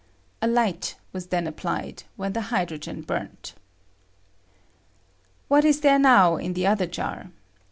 [A light s then applied, when the hydrogen burnt.] hat is there now in the other jar?